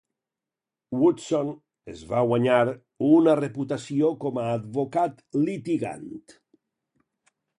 Woodson es va guanyar una reputació com a advocat litigant.